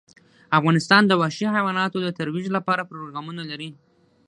افغانستان د وحشي حیواناتو د ترویج لپاره پروګرامونه لري.